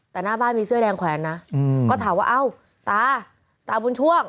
แต่หน้าบ้านมีเสื้อแดงแขวนนะก็ถามว่าเอ้าตาตาบุญช่วง